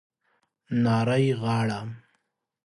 نرۍ غاړه